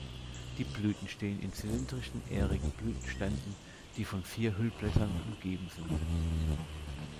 Die Blüten stehen in zylindrischen ährigen Blütenständen, die von vier Hüllblättern umgeben sind.